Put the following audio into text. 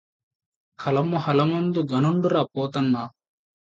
కలము హలములందు ఘనుండురా Pothanna